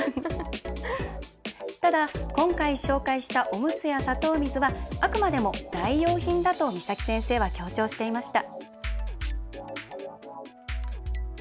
ただ今回、紹介したおむつや砂糖水はあくまでも代用品だと岬先生は強調していました。